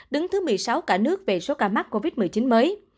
đứng thứ một mươi sáu cả nước về số ca mắc covid một mươi chín mới